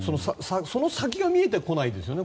その先が見えてこないですよね。